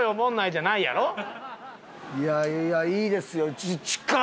いやいやいいですよ。